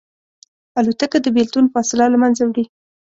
الوتکه د بېلتون فاصله له منځه وړي.